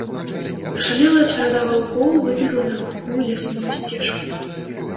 Ашалелая чарада ваўкоў выбегла на глухую лясную сцежку.